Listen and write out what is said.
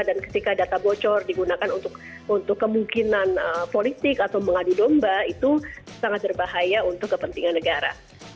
dan ketika data bocor digunakan untuk kemungkinan politik atau mengadu domba itu sangat berbahaya untuk kepentingan negara